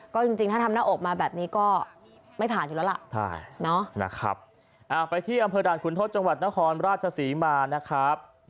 ก็จริงถ้าทำหน้าอกมาแบบนี้ก็ไม่ผ่านอยู่แล้วล่ะนะครับไปที่อำเภอด่านคุณทศจังหวัดนครราชศรีมานะครับ